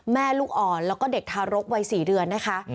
แม่ลูกอ่อนแล้วก็เด็กทารกวัย๔เดือนนะคะ